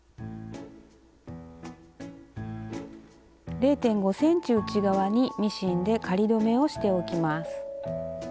０．５ｃｍ内側にミシンで仮留めをしておきます。